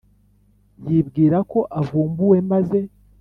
yibwirako avumbuwe maze